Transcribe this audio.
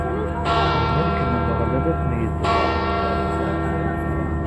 Lmelk n Umeɣlal ad ten-itbeɛ.